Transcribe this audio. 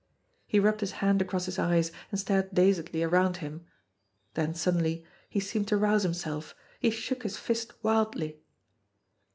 He rubbed his hand across his eyes, and stared dazedly around him. Then suddenly he seemed to rouse himself. He shook his fist wildly.